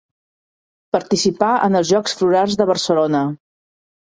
Participà en els Jocs Florals de Barcelona.